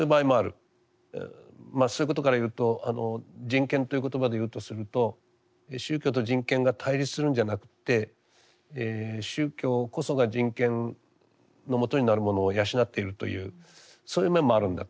まあそういうことから言うと人権という言葉で言うとすると宗教と人権が対立するんじゃなくって宗教こそが人権のもとになるものを養っているというそういう面もあるんだと。